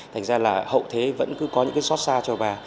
thành ra là hậu thế vẫn cứ có những cái xót xa cho bà